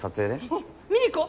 うん見に行こう！